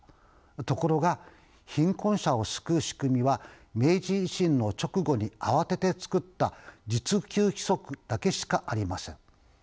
ところが貧困者を救う仕組みは明治維新の直後に慌てて作った恤救規則だけしかありません。